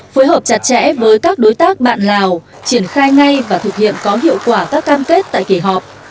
phối hợp chặt chẽ với các đối tác bạn lào triển khai ngay và thực hiện có hiệu quả các cam kết tại kỳ họp